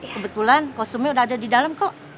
kebetulan konsumen udah ada di dalam kok